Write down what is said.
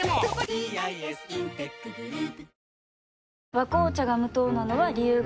「和紅茶」が無糖なのは、理由があるんよ。